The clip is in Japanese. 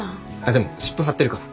でも湿布貼ってるから。